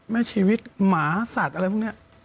แม่ชีวิตหมาสัตว์อะไรพวกนี้